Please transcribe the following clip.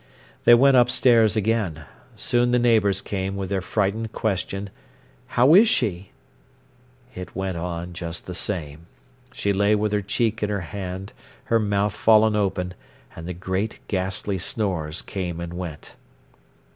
They went upstairs again. Soon the neighbours came with their frightened question: "How is she?" It went on just the same. She lay with her cheek in her hand, her mouth fallen open, and the great, ghastly snores came and went.